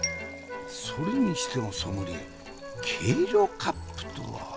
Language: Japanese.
それにしてもソムリエ計量カップとは。